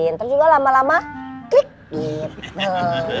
ntar juga lama lama klik gitu